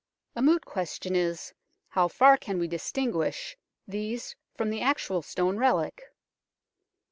A moot question is, how far can we distinguish these from the actual stone relic